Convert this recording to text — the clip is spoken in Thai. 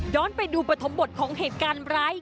ไปดูปฐมบทของเหตุการณ์ร้าย